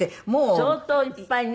相当いっぱいね。